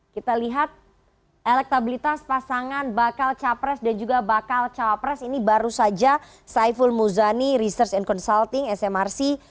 kita lihat elektabilitas pasangan bakal capres dan juga bakal cawapres ini baru saja saiful muzani research and consulting smrc